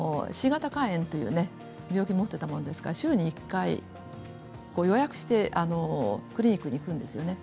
Ｃ型肝炎という病気を持っていたものですから週１回、予約してクリニックに行くんですね。